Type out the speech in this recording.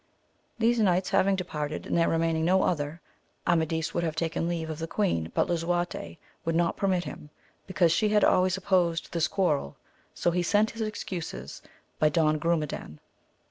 These knights having departed, and there remaining no other, Amadis would have taken leave of the queen, but Lisuarte would not permit him, because she had always opposed this quarrel, so he sent his excuses by Don Grumedan.